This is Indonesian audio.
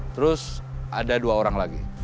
terus ada dua orang lagi